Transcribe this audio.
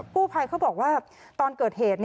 กู้ภัยเขาบอกว่าตอนเกิดเหตุ